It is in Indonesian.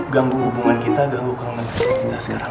ganggu hubungan kita ganggu hubungan kita sekarang